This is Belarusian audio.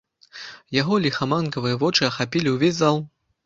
Яго ліхаманкавыя вочы ахапілі ўвесь зал.